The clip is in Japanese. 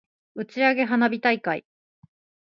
打ち上げ花火大会